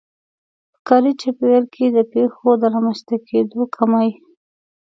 په کاري چاپېريال کې د پېښو د رامنځته کېدو کمی.